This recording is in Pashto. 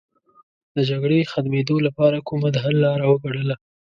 د جګړې ختمېدو لپاره کومه د حل لاره وګڼله.